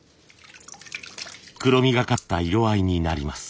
黒みがかった色合いになります。